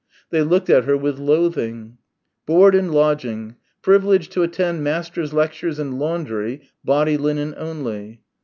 They looked at her with loathing. "Board and lodging privilege to attend Masters' lectures and laundry (body linen only)."